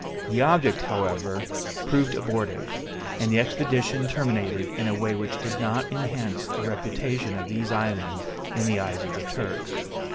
The object, however, proved abortive; and the expedition terminated in a way which did not enhance the reputation of these islands in the eyes of the Turks.